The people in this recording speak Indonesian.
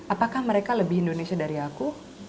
apakah mereka lebih indonesia dari aku